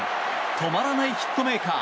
止まらないヒットメーカー。